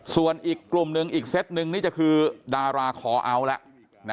ส่วนอีกกลุ่มหนึ่งอีกเซตนึงนี่จะคือดาราคอเอาท์แล้ว